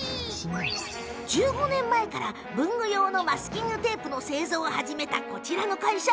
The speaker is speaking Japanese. １５年前から文具用のマスキングテープの製造を始めた、こちらの会社。